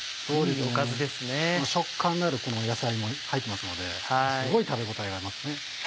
食感のある野菜も入ってますのですごい食べ応えがありますね。